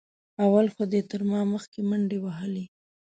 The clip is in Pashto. اول خو دې تر ما مخکې منډې وهلې.